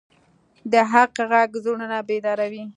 د حق غږ زړونه بیداروي